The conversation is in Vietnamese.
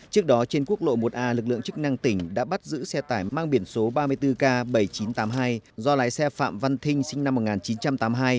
trước đó trên quốc lộ một a lực lượng chức năng tỉnh đã bắt giữ xe tải mang biển số ba mươi bốn k bảy nghìn chín trăm tám mươi hai do lái xe phạm văn thinh sinh năm một nghìn chín trăm tám mươi hai